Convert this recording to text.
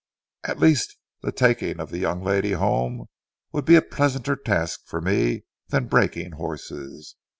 At least the taking of the young lady home would be a pleasanter task for me than breaking horses.